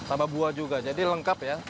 tambah buah juga jadi lengkap ya